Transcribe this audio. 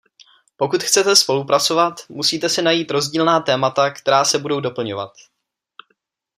Pokud chcete spolupracovat, musíte si najít rozdílná témata, která se budou doplňovat.